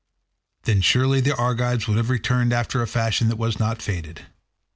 Then surely the Argives would have returned after a fashion that was not fated.